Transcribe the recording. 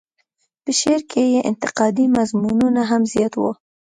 په شعر کې یې انتقادي مضمونونه هم زیات وو.